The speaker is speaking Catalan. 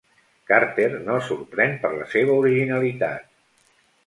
Carter no sorprèn per la seva originalitat.